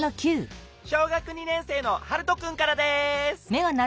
小学２年生のハルトくんからです。